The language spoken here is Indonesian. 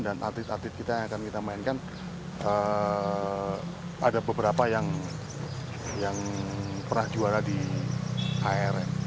dan atlet atlet kita yang akan kita mainkan ada beberapa yang pernah juara di arm